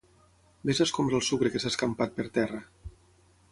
Ves a escombrar el sucre que s'ha escampat per terra.